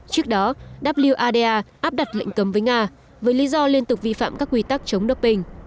trước đó wea áp đặt lệnh cấm với nga với lý do liên tục vi phạm các quy tắc chống doping